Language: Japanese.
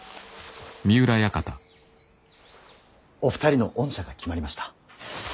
お二人の恩赦が決まりました。